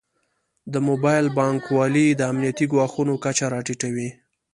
د موبایل بانکوالي د امنیتي ګواښونو کچه راټیټوي.